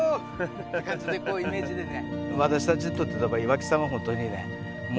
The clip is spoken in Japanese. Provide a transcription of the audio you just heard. って感じでこういうイメージでね。